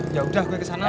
yaudah gue kesana